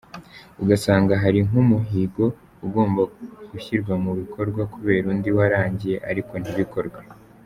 Ugasanga hari nk’umuhigo ugomba gushyirwa mu bikorwa kubera ko undi warangiye ariko ntibikorwe.